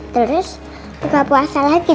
terus buka puasa lagi